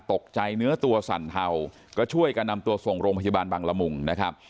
เนื้อตัวสั่นเทาก็ช่วยกันนำตัวส่งโรงพยาบาลบังละมุงนะครับ